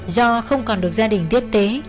do không còn được gia đình tiếp tế